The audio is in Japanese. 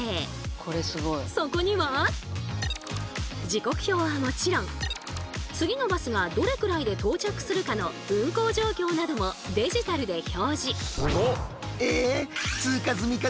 時刻表はもちろん次のバスがどれくらいで到着するかの運行状況などもデジタルで表示。